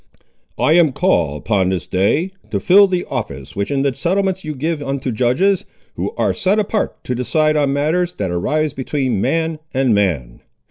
"I am called upon this day, to fill the office which in the settlements you give unto judges, who are set apart to decide on matters that arise between man and man.